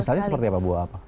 misalnya seperti apa buah apa